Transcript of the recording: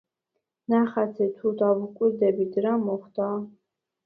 ნახატზე თუ დავუკვირდებით, რა მოხდა?